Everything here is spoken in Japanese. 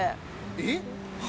えっ？